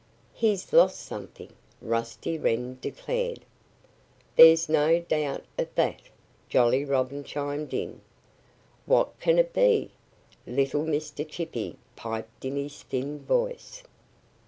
"He's lost something!" Rusty Wren declared. "There's no doubt of that," Jolly Robin chimed in. "What can it be?" little Mr. Chippy piped in his thin voice.